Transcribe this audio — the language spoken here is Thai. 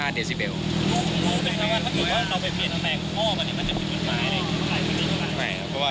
ถ้าถือว่าเราไปเปลี่ยนแปลงข้อไปนี่มันจะถูกไหม